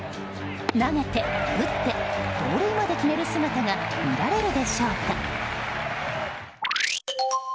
投げて打って盗塁まで決める姿が見られるでしょうか。